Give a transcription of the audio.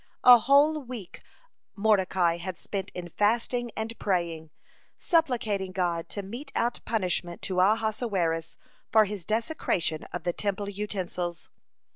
A whole week Mordecai had spent in fasting and praying, supplicating God to mete out punishment to Ahasuerus for his desecration of the Temple utensils.